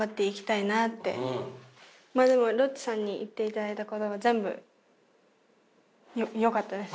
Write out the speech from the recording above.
でもロッチさんに言っていただいたことは全部よかったです。